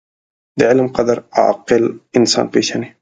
• د علم قدر، عاقل انسان پېژني.